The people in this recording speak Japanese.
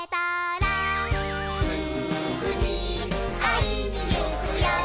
「すぐにあいにいくよ」